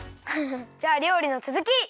じゃありょうりのつづき！